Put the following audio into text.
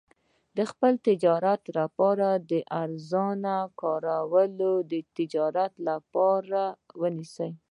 د خپل تجارت لپاره د ارزانه کارګرو د چمتو کولو لپاره.